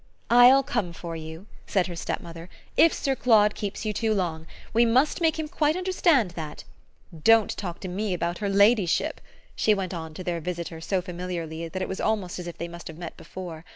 "I'LL come for you," said her stepmother, "if Sir Claude keeps you too long: we must make him quite understand that! Don't talk to me about her ladyship!" she went on to their visitor so familiarly that it was almost as if they must have met before.